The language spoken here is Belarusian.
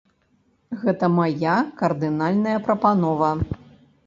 Гэта мая кардынальная прапанова.